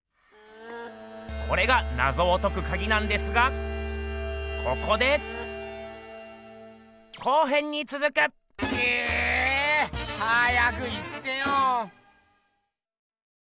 これがナゾを解くカギなんですがここでえ！早く言ってよ！